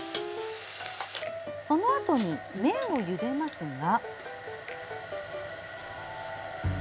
そのあとに、麺をゆでますが。